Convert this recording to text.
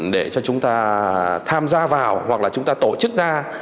để cho chúng ta tham gia vào hoặc là chúng ta tổ chức ra